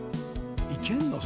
いけんの？